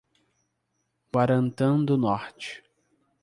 Guarantã do Norte